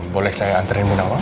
boleh saya anterin bunda wang